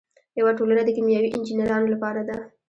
یوه ټولنه د کیمیاوي انجینرانو لپاره ده.